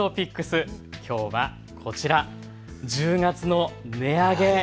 きょうはこちら、１０月の値上げ。